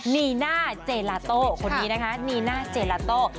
นีน่าเจลาโต้คนนี้นะคะนีน่าเจลาโต้